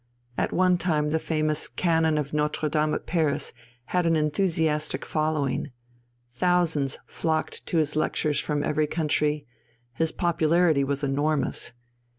At one time the famous Canon of Notre Dame at Paris had an enthusiastic following; thousands flocked to his lectures from every country; his popularity was enormous.